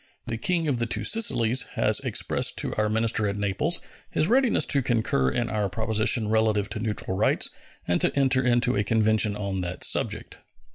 The King of the Two Sicilies has expressed to our minister at Naples his readiness to concur in our proposition relative to neutral rights and to enter into a convention on that subject.